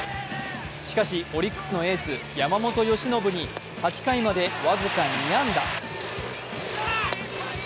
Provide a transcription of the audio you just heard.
しかし、オリックスのエース・山本由伸に８回まで僅か２安打。